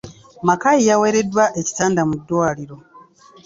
Makayi yaweereddwa ekitanda mu ddwaliro.